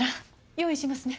用意しますね。